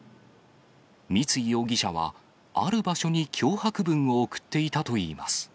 三井容疑者は、ある場所に脅迫文を送っていたといいます。